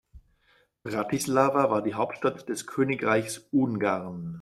Bratislava war die Hauptstadt des Königreichs Ungarn.